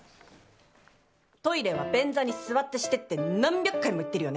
トイレは便座に座ってしてって何百回も言ってるよね。